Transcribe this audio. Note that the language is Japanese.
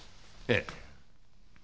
ええ。